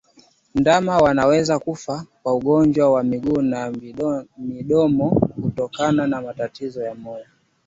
Ndama wanaweza kufa kwa ugonjwa wa miguu na midomo kutokana na matatizo ya moyo